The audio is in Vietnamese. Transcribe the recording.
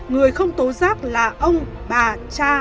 hai người không tối giác là ông bà cha